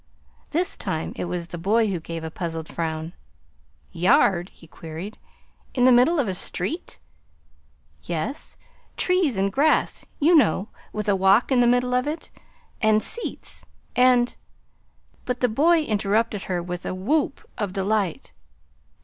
This time it was the boy who gave a puzzled frown. "YARD?" he queried, "in the middle of a street?" "Yes trees and grass, you know, with a walk in the middle of it, and seats, and " But the boy interrupted her with a whoop of delight.